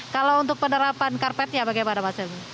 kalau untuk penerapan karpetnya bagaimana mas emil